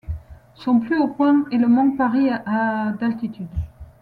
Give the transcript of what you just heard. Son plus haut point est le mont Parry à d'altitude.